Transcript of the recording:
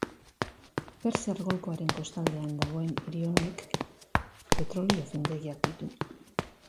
Persiar golkoaren kostaldean dagoen hiri honek petrolio findegiak ditu.